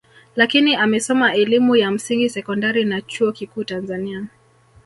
Lakini amesoma elimu ya msingi sekondari na chuo kikuu Tanzania